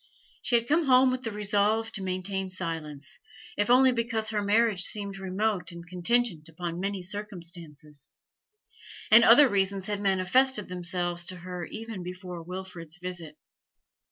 She had come home with the resolve to maintain silence, if only because her marriage seemed remote and contingent upon many circumstances; and other reasons had manifested themselves to her even before Wilfrid's visit.